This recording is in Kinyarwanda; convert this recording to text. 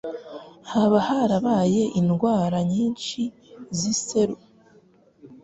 Hoba harabaye indwara nyinshi z'iseru?